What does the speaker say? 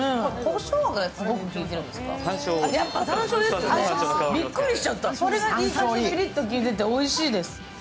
それがいい感じにピリッと効いてておいしいです。